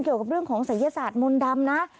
เกี่ยวกับเรื่องของศัยศาสตร์มนต์ดำนะ